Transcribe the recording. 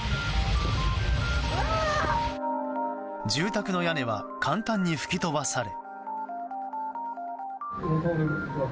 住宅の屋根は簡単に吹き飛ばされ。